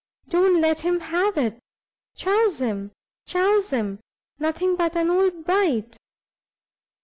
don't let him have it! chouse him, chouse him! nothing but an old bite!"